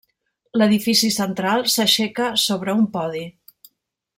L'edifici central s'aixeca sobre un podi.